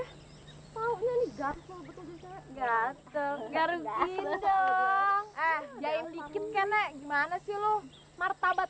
hai maunya di gatel gatel garu garu jendol eh jahit dikit ke nek gimana sih lu martabat